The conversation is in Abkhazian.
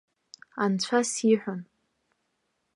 Анцәа сиҳәон.